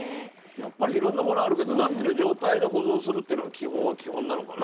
やっぱりいろんなものあるけどなってる状態で保存するっていうのが基本は基本なのかな。